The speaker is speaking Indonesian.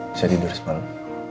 bisa tidur semalam